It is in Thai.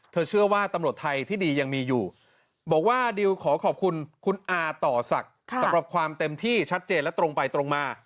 เชื่อว่าตำรวจไทยที่ดียังมีอยู่บอกว่าดิวขอขอบคุณคุณอาต่อศักดิ์สำหรับความเต็มที่ชัดเจนและตรงไปตรงมา